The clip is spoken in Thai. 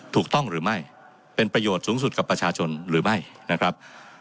ถูกต้องหรือไม่เป็นประโยชน์สูงสุดกับประชาชนหรือไม่นะครับ